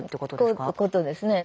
そういうことですね。